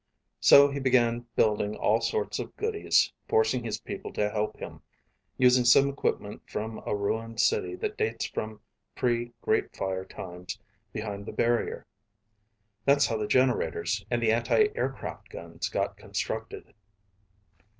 So he began building all sorts of goodies, forcing his people to help him, using some equipment from a ruined city that dates from pre Great Fire times behind the barrier. That's how the generators and the anti aircraft guns got constructed."